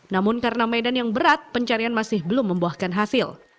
namun karena medan yang berat pencarian masih belum membuahkan hasil